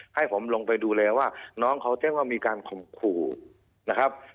ให้ผมลงไปดูแลว่าน้องเขาแจ้งว่ามีการข่มขู่นะครับ